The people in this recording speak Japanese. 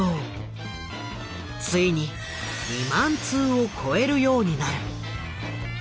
ついに２万通を超えるようになる。